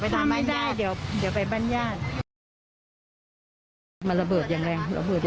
ได้ยินกัน